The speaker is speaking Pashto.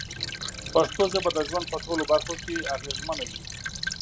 پښتو ژبه د ژوند په ټولو برخو کې اغېزمنه وي.